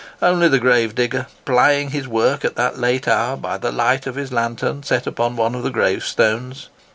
Only the grave digger, plying his work at that late hour by the light of his lanthorn set upon one of the gravestones!